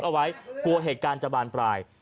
รอกลืมมือขนาดเรากลับฐาน